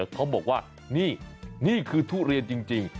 เขาบอกว่านี่นี่คือทุเรียนจริง